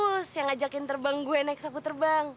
lo doang gus yang ngajakin terbang gue naik sapu terbang